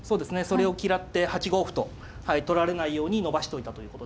それを嫌って８五歩と取られないように伸ばしといたということですね。